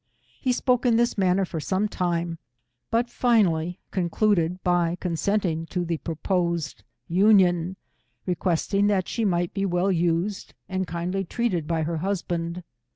He spoke in this manner for some time, but finally concluded by consenting to the proposed anion, requesting that she might be well used and kindly treated by her husband.